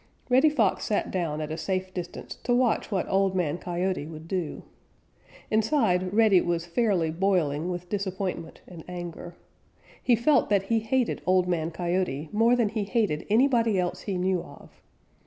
Reddy Fox sat down at a safe distance to watch what Old Man Coyote would do. Inside, Reddy was fairly boiling with disappointment and anger. He felt that he hated Old Man Coyote more than he hated anybody else he knew of.